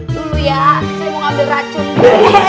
dulu ya saya mau ngambil racun